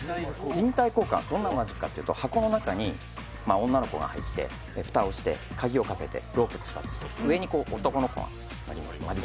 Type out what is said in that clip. どんなマジックかというと箱の中に女の子が入って蓋をして、鍵をかけてロープで縛って、上に男の子が乗ります。